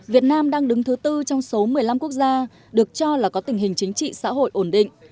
việt nam đang đứng thứ tư trong số một mươi năm quốc gia được cho là có tình hình chính trị xã hội ổn định